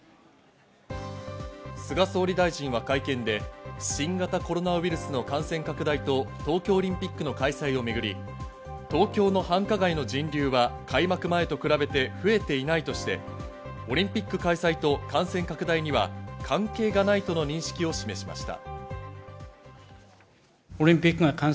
菅総理大臣は会見で新型コロナウイルスの感染拡大と東京オリンピックの開催をめぐり、東京の繁華街の人流は開幕前と比べて増えていないとして、オリンピック開催と感染拡大には関係がないとの認識を示しました。